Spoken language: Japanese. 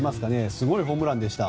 すごいホームランでした。